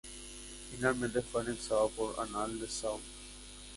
Finalmente fue anexado por Anhalt-Dessau.